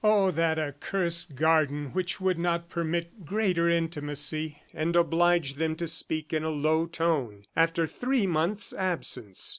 Oh, that accursed garden which would not permit greater intimacy and obliged them to speak in a low tone, after three months' absence!